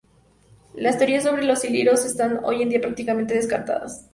Las teorías sobre los ilirios están hoy en día prácticamente descartadas.